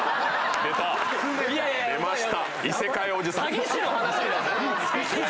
出ました。